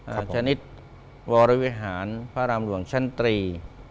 สัชนิตวรวิหารพระรามหลวงชั้นตรี